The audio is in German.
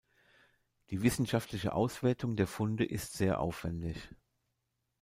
Die wissenschaftliche Auswertung der Funde ist sehr aufwändig.